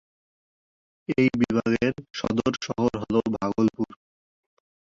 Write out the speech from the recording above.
এই বিভাগের সদর শহর হলভাগলপুর।